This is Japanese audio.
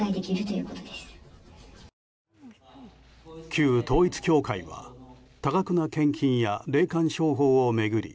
旧統一教会は多額な献金や霊感商法を巡り